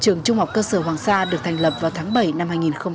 trường trung học cơ sở hoàng sa được thành lập vào tháng bảy năm hai nghìn một mươi sáu